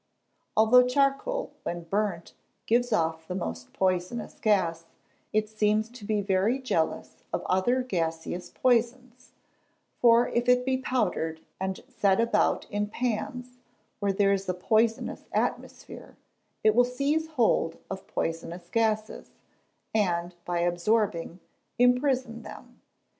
Although charcoal, when burnt, gives off the most poisonous gas, it seems to be very jealous of other gaseous poisons; for if it be powdered, and set about in pans where there is a poisonous atmosphere, it will seize hold of poisonous gases, and, by absorbing, imprison them.